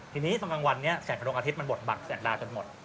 ทีนี้ตอนกลางวันนี้แสงพระดวงอาทิตย์มันหมดบักแสงดาวจนหมด